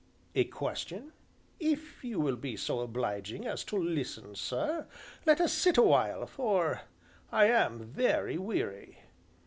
"A question?" "If you will be so obliging as to listen, sir; let us sit awhile, for I am very weary."